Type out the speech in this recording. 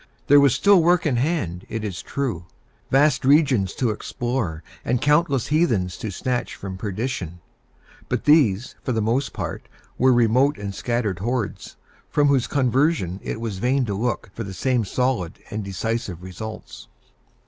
There was still work in hand, it is true, vast regions to explore, and countless heathens to snatch from perdition; but these, for the most part, were remote and scattered hordes, from whose conversion it was vain to look for the same solid and decisive results.